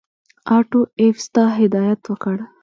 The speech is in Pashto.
آټو ایفز ته هدایت وکړ.